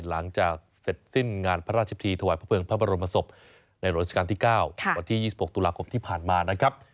หลังจากเสร็จสิ้นงานพระราชพิธีถวายพระเภิงพระบรมศพในหลวงราชการที่๙วันที่๒๖ตุลาคมที่ผ่านมานะครับ